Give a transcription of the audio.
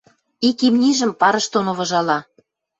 ик имнижӹм парыш доно выжала.